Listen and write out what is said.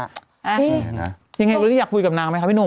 อ่าอย่างไรหรืออยากคุยกับนางไหมคะพี่หนุ่ม